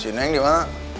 si neng dimana